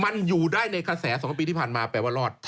มันอยู่ได้ในกระแส๒ปีที่ผ่านมาแปลว่ารอด